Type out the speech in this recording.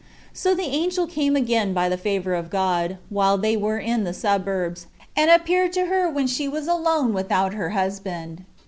So the angel came again by the favor of God, while they were in the suburbs, and appeared to her when she was alone without her husband.